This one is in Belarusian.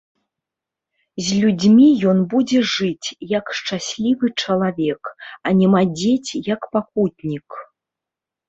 З людзьмі ён будзе жыць, як шчаслівы чалавек, а не мадзець, як пакутнік.